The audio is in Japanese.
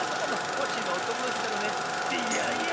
コッシーのおともだちなのね。ってやや！